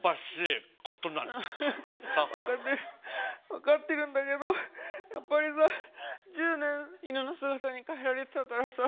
分かってるんだけどやっぱりさ１０年犬の姿に変えられてたからさ